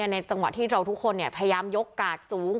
ในจังหวะที่เราทุกคนพยายามยกกาดสูง